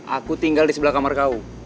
aku tinggal di sebelah kamar kau